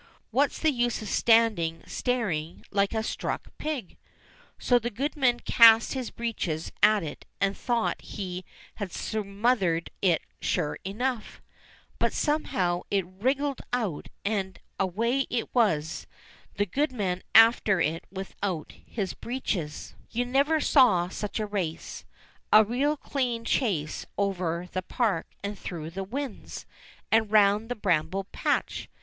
"What's the use of standing staring like a stuck pig?" So the goodman cast his breeches at it and thought he had smothered it sure enough ; but somehow it wriggled out, and away it was, the goodman after it without his breeches. 262 ENGLISH FAIRY TALES You never saw such a race — a real clean chase over the park and through the whins, and round by the bramble patch.